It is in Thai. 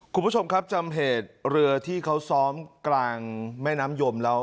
คุณผู้ชมครับจำเหตุเรือที่เขาซ้อมกลางแม่น้ำยมแล้ว